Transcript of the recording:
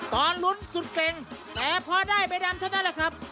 ตอนลุ้นสุดเก่งแต่พอได้ใบดำเท่านั้นแหละครับ